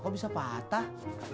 kok bisa patah